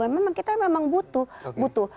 memang kita memang butuh